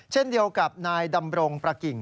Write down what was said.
เช่นเดียวกับนายดำรงประกิ่ง